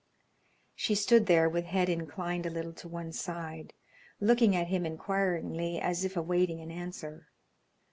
She stood there with head inclined a little to one side, looking at him inquiringly as if awaiting an answer.